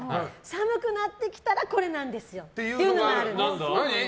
寒くなってきたらこれなんですっていうのがあるんです。